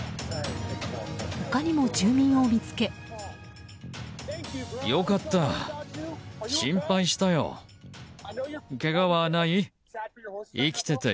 他にも住民を見つけ。